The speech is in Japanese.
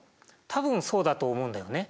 多分そうだと思うんだよね。